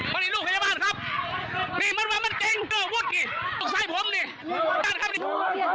ไปลูกข้าบ้านครับนี่